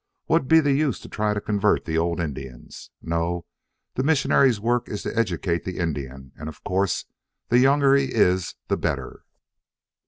What'd be the use to try to convert the old Indians? No, the missionary's work is to educate the Indian, and, of course, the younger he is the better."